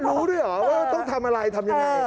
มันรู้ด้วยหรอต้องทำอะไรทำอย่างไร